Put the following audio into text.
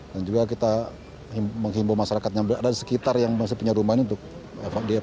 dan juga kita menghimbau masyarakat yang berada di sekitar yang masih punya rumah ini untuk dievakuasikan